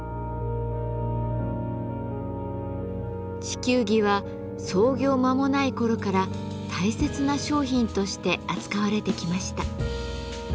地球儀は創業間もない頃から大切な商品として扱われてきました。